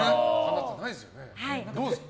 どうですか？